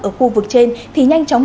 ở khu vực trên thì nhanh chóng lên